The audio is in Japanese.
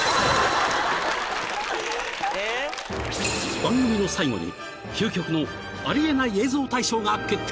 ［番組の最後に究極のありえない映像大賞が決定］